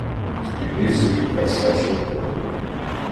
Спідницю і карсет шовковий